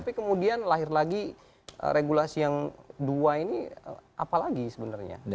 tapi kemudian lahir lagi regulasi yang dua ini apalagi sebenarnya